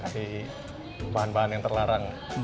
tapi tidak memakai bahan bahan yang terlarang